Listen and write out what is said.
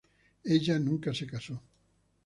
Ella nunca se casó.